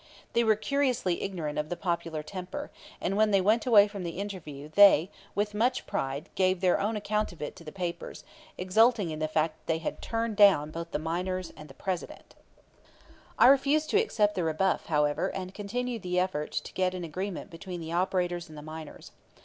They were curiously ignorant of the popular temper; and when they went away from the interview they, with much pride, gave their own account of it to the papers, exulting in the fact that they had "turned down" both the miners and the President. I refused to accept the rebuff, however, and continued the effort to get an agreement between the operators and the miners.